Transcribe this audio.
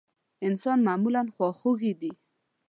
انسانان معمولا خواخوږي دي.